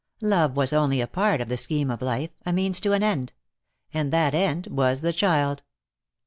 Love was only a part of the scheme of life, a means to an end. And that end was the child.